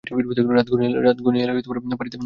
রাত ঘনিয়ে এলে আমি বাড়িতে ফিরে এলাম।